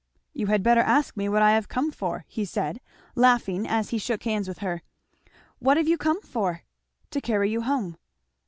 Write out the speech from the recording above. "You had better ask me what I have come for," he said laughing as he shook hands with her. "What have you come for?" "To carry you home."